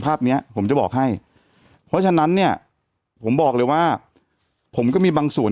ภาพเนี้ยผมจะบอกให้เพราะฉะนั้นเนี่ยผมบอกเลยว่าผมก็มีบางส่วน